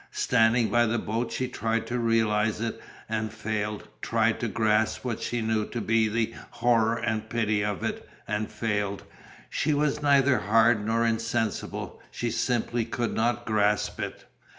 Standing by the boat she tried to realize it and failed, tried to grasp what she knew to be the horror and pity of it, and failed. She was neither hard nor insensible, she simply could not grasp it.